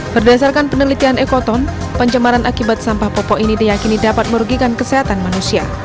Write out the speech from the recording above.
berdasarkan penelitian ekoton pencemaran akibat sampah popok ini diyakini dapat merugikan kesehatan manusia